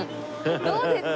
どうですか？